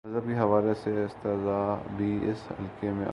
مذہب کے حوالے سے استہزا بھی، اس حلقے میں عام ہے۔